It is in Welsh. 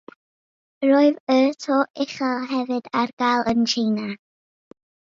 Roedd y to uchel hefyd ar gael yn Tsieina.